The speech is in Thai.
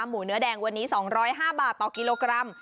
หมูเนื้อแดงวันนี้๒๐๕บาทต่อกิโลกรัม